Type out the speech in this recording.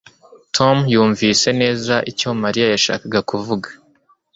Tom yumvise neza icyo Mariya yashakaga kuvuga